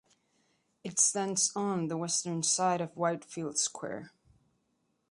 It stands on the western side of Whitefield Square.